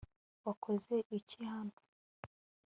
wakoze iki hano